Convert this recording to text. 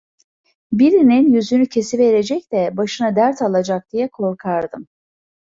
Birinin yüzünü kesiverecek de başına dert alacak diye korkardım.